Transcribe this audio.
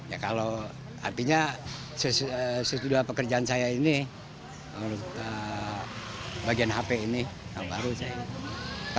ya kalau artinya sesudah pekerjaan saya ini bagian hp ini yang baru saya ini